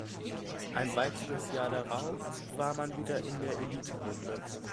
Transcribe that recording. Ein weiteres Jahr darauf war man wieder in der Eliterunde.